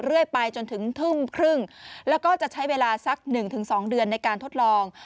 เรื่อยไปจนถึงทุ่มครึ่งแล้วก็จะใช้เวลาสัก๑๒เดือนในการทดลอง